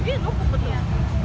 iya berkumpul ya